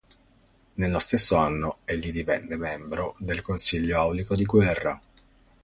Nello stesso anno egli divenne membro del Consiglio Aulico di Guerra.